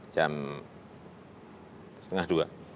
jam setengah dua